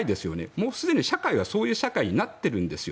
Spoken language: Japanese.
もうすでに社会はそういう社会になってるんですよ。